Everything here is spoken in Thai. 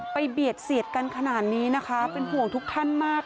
เบียดเสียดกันขนาดนี้นะคะเป็นห่วงทุกท่านมาก